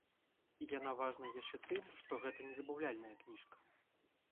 І яна важная яшчэ тым, што гэта не забаўляльная кніжка.